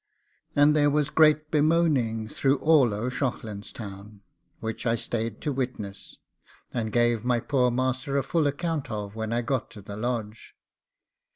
And there was great bemoaning through all O'Shaughlin's Town, which I stayed to witness, and gave my poor master a full account of when I got to the Lodge.